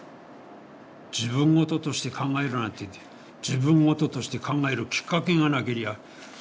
自分ごととして考えるなんていって自分ごととして考えるきっかけがなけりゃ